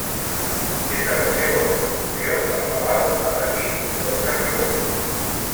Des de la seua construcció, el palau ha patit nombroses reformes.